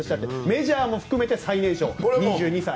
メジャーも含めて最年少、２２歳。